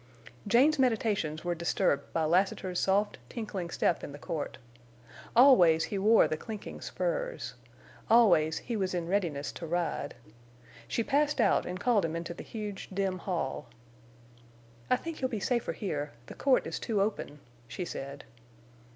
Jane's meditations were disturbed by Lassiter's soft, tinkling step in the court. Always he wore the clinking spurs. Always he was in readiness to ride. She passed out and called him into the huge, dim hall. "I think you'll be safer here. The court is too open," she said.